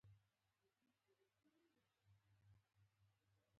پنجاب تر پولو را ورسېدی.